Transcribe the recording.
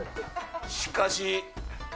しかし。